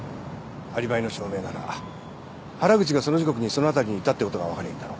アリバイの証明なら原口がその時刻にその辺りにいたってことが分かりゃいいんだろ？